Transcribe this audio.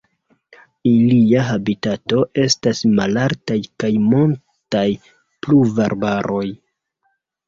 Ilia habitato estas malaltaj kaj montaj pluvarbaroj.